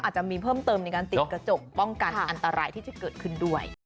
อาจจะมีเพิ่มเติมในการติดกระจกป้องกันอันตรายที่จะเกิดขึ้นด้วย